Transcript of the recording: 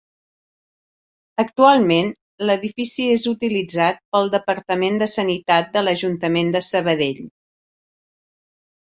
Actualment l'edifici és utilitzat pel Departament de Sanitat de l'Ajuntament de Sabadell.